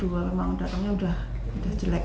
memang datangnya udah jelek